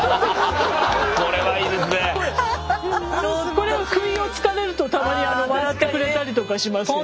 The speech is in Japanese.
これは不意を突かれるとたまに笑ってくれたりとかしますけど。